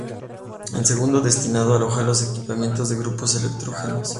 El segundo destinado a alojar los equipamientos de grupos electrógenos.